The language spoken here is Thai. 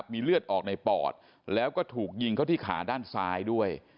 มีเลือดออกในปอดแล้วก็ถูกยิงเขาที่ขาด้านซ้ายด้วย